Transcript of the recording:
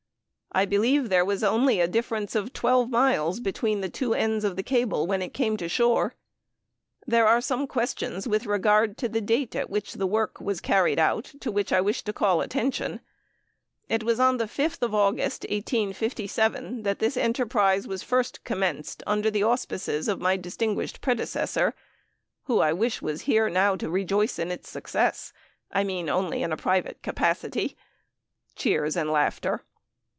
I believe there was only a difference of twelve miles between the two ends of the cable when it came to the shore. There are some questions with regard to the date at which the work was carried out to which I wish to call attention. It was on the 5th August, 1857, that this enterprise was first commenced under the auspices of my distinguished predecessor, who I wish was here now to rejoice in its success I mean only in a private capacity. (Cheers and laughter.)